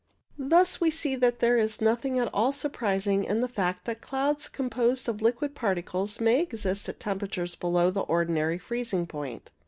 62 ALTO CLOUDS Thus we see there is nothing at all surprising in the fact that clouds composed of liquid particles may exist at temperatures below the ordinary freezing point.